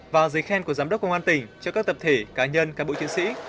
và giấy khen của giám đốc công an tỉnh cho các tập thể cá nhân cán bộ chiến sĩ